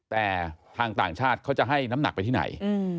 แต่ทางต่างชาติเขาจะให้น้ำหนักไปที่ไหน